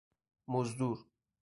مزدور